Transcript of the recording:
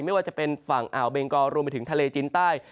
ไม่ว่าจะเป็นฝั่งอ่าวเบงกอรวมไปถึงทะเลจีนใต้